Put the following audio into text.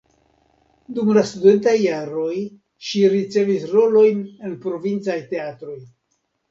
Dum la studentaj jaroj ŝi ricevis rolojn en provincaj teatroj.